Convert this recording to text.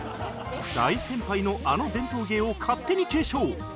大先輩のあの伝統芸を勝手に継承